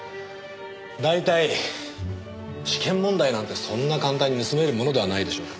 大体試験問題なんてそんな簡単に盗めるものではないでしょう？